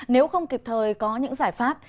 nếu không kịp thời có những giải pháp